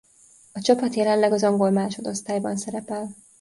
A csapat jelenleg az angol másodosztályban szerepel.